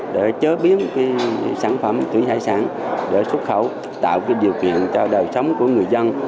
để chế biến sản phẩm thủy hải sản để xuất khẩu tạo điều kiện cho đời sống của người dân